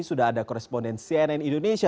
sudah ada koresponden cnn indonesia